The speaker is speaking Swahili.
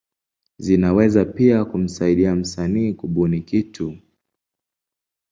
Zinaweza pia kumsaidia msanii kubuni kitu.